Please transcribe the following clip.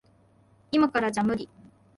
いまからじゃ無理。